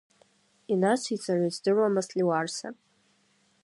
Инациҵара издыруамызт Леуарса.